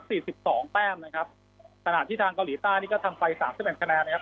สิบสองแต้มนะครับขณะที่ทางเกาหลีใต้นี่ก็ทำไปสามสิบเอ็ดคะแนนนะครับ